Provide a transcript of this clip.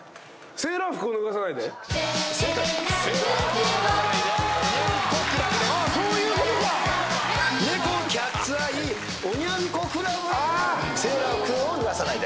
『セーラー服を脱がさないで』